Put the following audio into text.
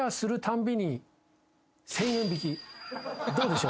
どうでしょう？